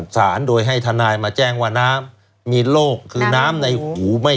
สารโดยให้ทนายมาแจ้งว่าน้ำมีโรคคือน้ำในหูไม่